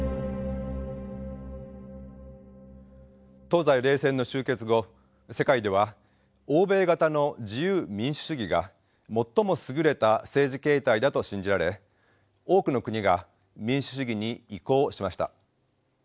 東西冷戦の終結後世界では欧米型の自由民主主義が最も優れた政治形態だと信じられ多くの国が民主主義に移行しました。